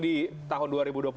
di tahun dua ribu dua puluh satu